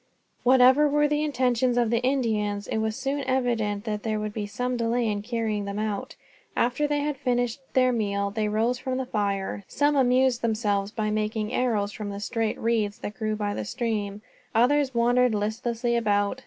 Whatever were the intentions of the Indians, it was soon evident that there would be some delay in carrying them out. After they had finished their meal, they rose from the fire. Some amused themselves by making arrows from the straight reeds that grew by the stream. Others wandered listlessly about.